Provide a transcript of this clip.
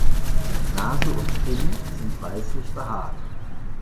Nase und Kinn sind weißlich behaart.